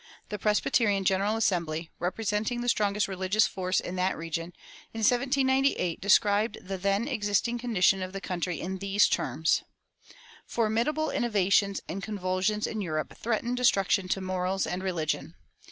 The Presbyterian General Assembly, representing the strongest religious force in that region, in 1798 described the then existing condition of the country in these terms: "Formidable innovations and convulsions in Europe threaten destruction to morals and religion.